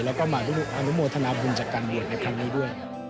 แล้วก็มาอนุโมทนาบุญจากการบวชในครั้งนี้ด้วย